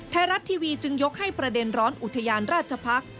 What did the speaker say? ไทยรัฐทีวีจึงยกให้ประเด็นร้อนอุทยานราชพักษ์